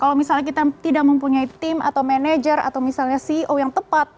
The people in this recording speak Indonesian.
kalau misalnya kita tidak mempunyai tim atau manager atau misalnya ceo yang tepat